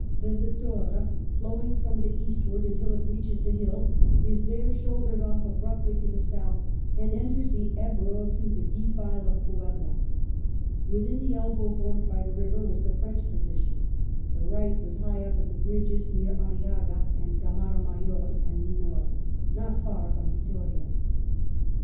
The Zadorra, flowing from the eastward until it reaches the hills, is there shouldered off abruptly to the south and enters the Ebro through the defile of Puebla. Within the elbow formed by the river was the French position. The right was high up at the bridges, near Ariaga and Gamara, Major and Minor, not far from Vittoria.